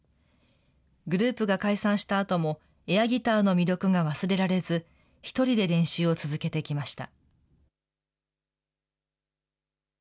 グループが解散したあとも、エアギターの魅力が忘れられず、１人で練習を続けてきました。